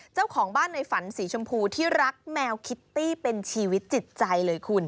เจ้าของบ้านในฝันสีชมพูที่รักแมวคิตตี้เป็นชีวิตจิตใจเลยคุณ